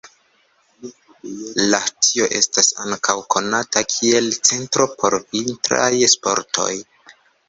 Lahtio estas ankaŭ konata kiel centro por vintraj sportoj.